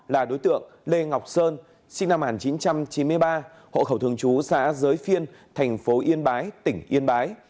là đối tượng lê ngọc sơn sinh năm một nghìn chín trăm chín mươi ba hộ khẩu thường trú xã giới phiên tp yên bái tỉnh yên bái